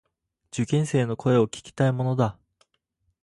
受験生の声を聞きたいものだ。